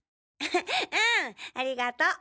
うん。ありがと。